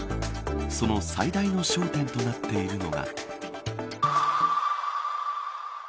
その最大の焦点となっているのが。